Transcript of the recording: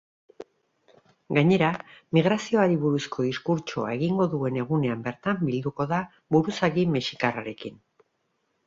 Gainera, migrazioari buruzko diskurtsoa egingo duen egunean bertan bilduko da buruzagi mexikarrarekin.